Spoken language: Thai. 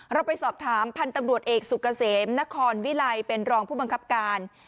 เราไปสอบถามพันธุ์ตำรวจเอกสุกเกษมนครวิลัยเป็นรองผู้บังคับการ